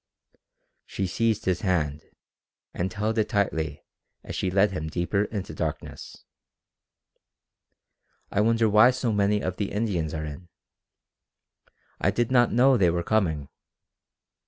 She seized his hand, and held it tightly as she led him deeper into darkness. "I wonder why so many of the Indians are in? I did not know they were coming.